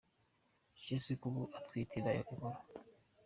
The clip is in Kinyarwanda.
Jessy kuri ubu atwite inda nkuru.